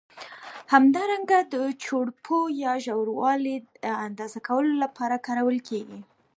همدارنګه د چوړپو یا ژوروالي د اندازه کولو له پاره کارول کېږي.